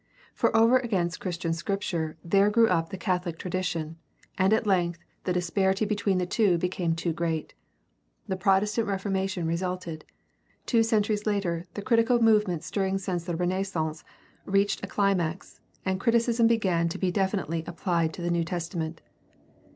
For over against Christian Scripture there grew up the Catholic tradition, and at length the disparity between the two became too great. The Protestant Reformation resulted. Two centuries later the critical movement stirring since the Renaissance reached a climax, and criticism began to be definitely applied to the New Testament.